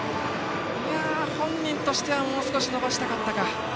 本人としてはもう少し伸ばしたかったか。